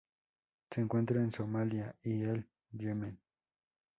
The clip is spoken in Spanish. Se encuentra en Somalia y el Yemen.